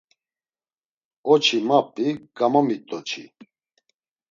Oçi map̌i, gamomit̆oçi.